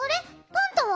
パンタは？